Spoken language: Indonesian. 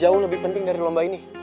jauh lebih penting dari lomba ini